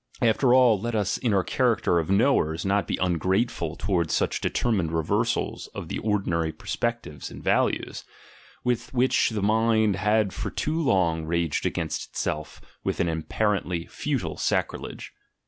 After all, let us, in our character of know ers, not be ungrateful towards such determined reversals of the ordinary perspectives and values, with which the mind had for too long raged against itself with an ap parently futile sacrilege!